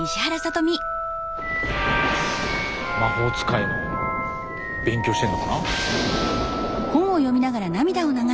魔法使いの勉強してるのかな？